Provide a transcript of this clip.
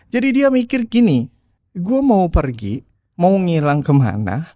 jadi dia mikir gini gue mau pergi mau ngilang kemana